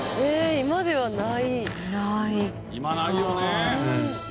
今ないよね。